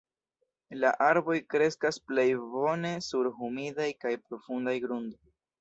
La arboj kreskas plej bone sur humidaj kaj profundaj grundoj.